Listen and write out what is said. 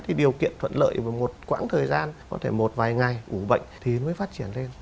thì điều kiện thuận lợi và một quãng thời gian có thể một vài ngày ủ bệnh thì mới phát triển lên